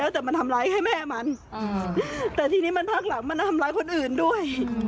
แต่มันทำร้ายให้แม่มันแต่ทีนี้มันพักหลังมันทำร้ายคนอื่นด้วย